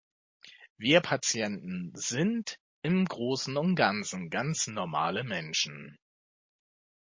Wir Patienten sind im Großen und Ganzen ganz normale Menschen.